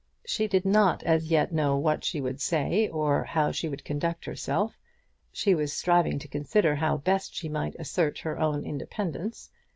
She did not as yet know what she would say or how she would conduct herself. She was striving to consider how best she might assert her own independence.